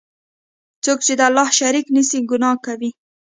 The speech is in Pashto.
څوک چی د الله شریک نیسي، ګناه کوي.